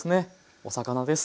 お魚です。